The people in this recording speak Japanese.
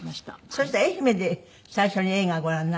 そしたら愛媛で最初に映画をご覧になったの？